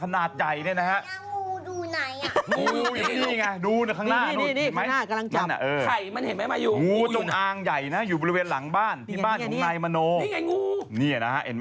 นั่นไง